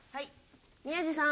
宮治さん